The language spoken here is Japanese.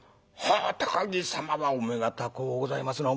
「はあ高木様はお目が高うございますな。